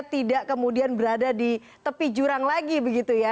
tidak kemudian berada di tepi jurang lagi begitu ya